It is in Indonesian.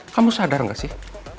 kamu sadar nggak sih